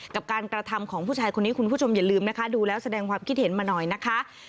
กับการกระทำของผู้ชายคนนี้คุณผู้ชมอย่าลืมนะคะดูแล้วแสดงความคิดเห็นมาหน่อยนะคะ